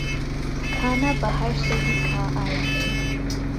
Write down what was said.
کھانا باہر سے ہی کھا آئے تھے